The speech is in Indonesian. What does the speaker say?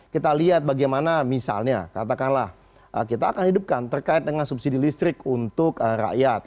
kita lihat bagaimana misalnya katakanlah kita akan hidupkan terkait dengan subsidi listrik untuk rakyat